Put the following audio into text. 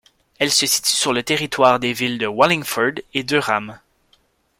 Elle se situe sur le territoire des villes de Wallingford et Durham.